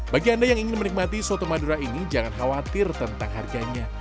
bagi anda yang ingin menikmati soto madura ini jangan khawatir tentang harganya